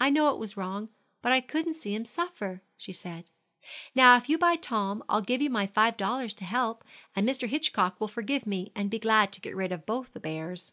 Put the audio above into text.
"I know it was wrong, but I couldn't see him suffer," she said. "Now if you buy Tom I'll give you my five dollars to help, and Mr. Hitchcock will forgive me and be glad to get rid of both the bears."